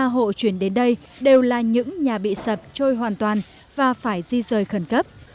ba hộ chuyển đến đây đều là những nhà bị sập trôi hoàn toàn và phải di rời khẩn cấp